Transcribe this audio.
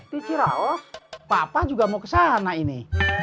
di ciraos papa juga mau kesana ini